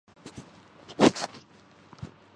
اکثر خراب مزاج میں ہوتا ہوں